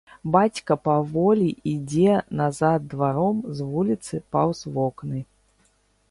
Бацька паволі ідзе назад дваром з вуліцы паўз вокны.